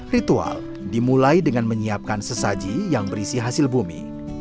ritual dimulai dengan menyiapkan sesaji yang berisi hasil bumi